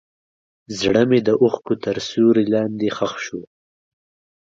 زړه مې د اوښکو تر سیوري لاندې ښخ شو.